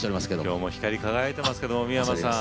今日も光り輝いてますけども三山さん